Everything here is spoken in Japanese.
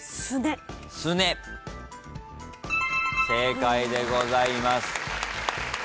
正解でございます。